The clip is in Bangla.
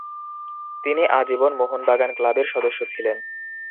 তিনি আজীবন মোহনবাগান ক্লাবের সদস্য ছিলেন।